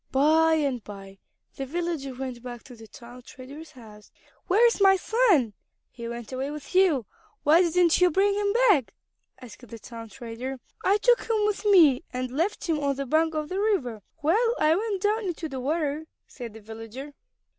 By and by the villager went back to the town trader's house. "Where is my son? He went away with you. Why didn't you bring him back?" asked the town trader. "I took him with me and left him on the bank of the river while I went down into the water," said the villager.